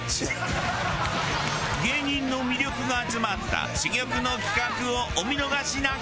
芸人の魅力が詰まった珠玉の企画をお見逃しなく。